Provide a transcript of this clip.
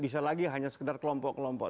bisa lagi hanya sekedar kelompok kelompok